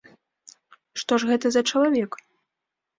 Што ж гэта за чалавек?